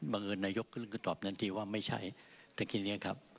บางเกิดนายกเลยมาร่วมตอบนั้นว่าไม่ใช่ทีนี้ครับ